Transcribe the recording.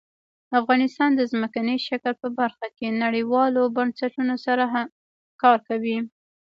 افغانستان د ځمکنی شکل په برخه کې نړیوالو بنسټونو سره کار کوي.